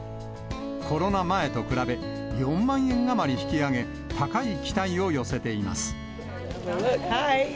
コロナ前と比べ、４万円余り引き上げ、高い期待を寄せています。